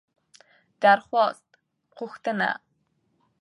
درخواست √غوښتنه